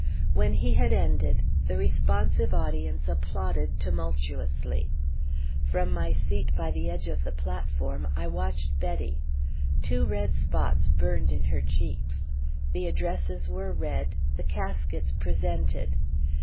When he had ended the responsive audience applauded tumultuously. From my seat by the edge of the platform I watched Betty. Two red spots burned in her cheeks. The addresses were read, the caskets presented.